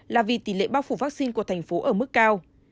là vì tỷ lệ bao phủ vaccine của thành phố ở mức cao